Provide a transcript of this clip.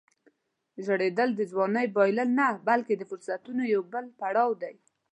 زوړېدل د ځوانۍ بایلل نه، بلکې د فرصتونو یو بل پړاو دی.